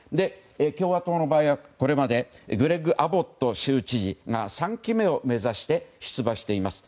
共和党の場合はこれまでグレッグ・アボット州知事が３期目を目指して出馬しています。